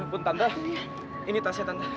ya ampun tante ini tasnya tante